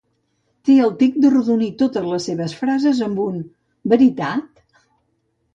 Té el tic d'arrodonir totes les seves frases amb un "veritat"?.